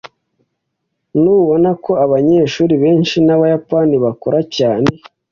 Ntubona ko abanyeshuri benshi b'Abayapani bakora cyane?